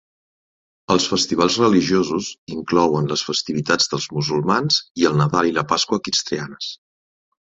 Els festivals religiosos inclouen les festivitats dels musulmans i el Nadal i la Pasqua cristianes.